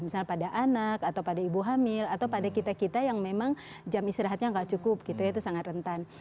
misalnya pada anak atau pada ibu hamil atau pada kita kita yang memang jam istirahatnya nggak cukup gitu ya itu sangat rentan